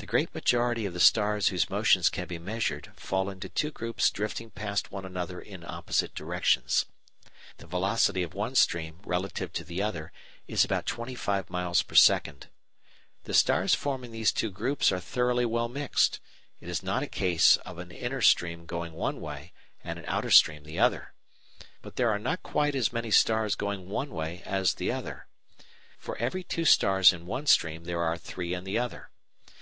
The great majority of the stars whose motions can be measured fall into two groups drifting past one another in opposite directions. The velocity of one stream relative to the other is about twenty five miles per second. The stars forming these two groups are thoroughly well mixed; it is not a case of an inner stream going one way and an outer stream the other. But there are not quite as many stars going one way as the other. For every two stars in one stream there are three in the other.